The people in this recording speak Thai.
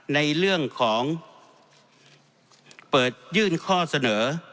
ในเรื่องของเปิดยื่นข้อเสนอ